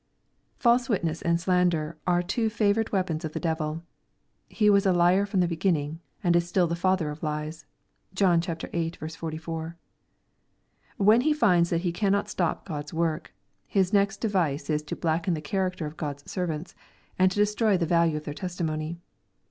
False witness and slander are two favorite weapons of the devil. He was a liar from the beginning, and is still the father of lies. (John viii. 44.) When he finds that he cannot stop Q od's work, his next device is to blacken the character of God's servants, and to destroy the value of their testimony.